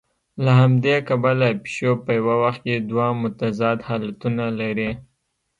له همدې کبله پیشو په یوه وخت کې دوه متضاد حالتونه لري.